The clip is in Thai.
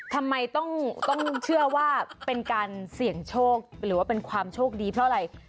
ทำไมต้องเชื่อว่าเป็นการเสี่ยงโชคหรือว่าเป็นความโชคดีเพราะอะไร